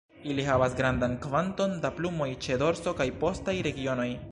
Ili havas grandan kvanton da plumoj ĉe dorso kaj postaj regionoj.